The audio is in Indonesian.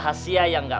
masih ada duitnya